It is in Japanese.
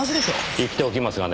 言っておきますがね